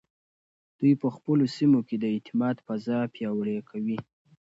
دوی په خپلو سیمو کې د اعتماد فضا پیاوړې کوي.